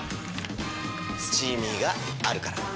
「スチーミー」があるから。